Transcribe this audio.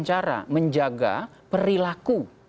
cara menjaga perilaku